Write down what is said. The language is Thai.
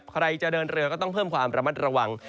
ใครจะเดินเรือก็ต้องเพิ่มความระมัดระวัง